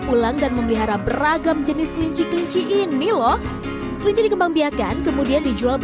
pulang dan memelihara beragam jenis kelinci kelinci ini loh kelinci dikembang biakan kemudian dijual